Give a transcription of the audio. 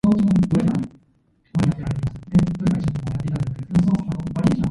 It has become the world's leading producer of branded fruit juices.